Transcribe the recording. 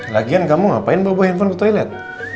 lagian kamu ngapain bawa bawa handphone ke toilet